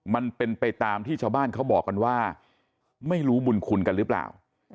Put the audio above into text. มันเป็นไปตามที่ชาวบ้านเขาบอกกันว่าไม่รู้บุญคุณกันหรือเปล่า